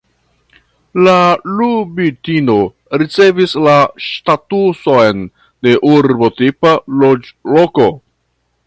La Lubitino ricevis la statuson de urbotipa loĝloko.